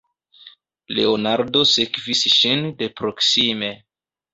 Leonardo sekvis ŝin de proksime.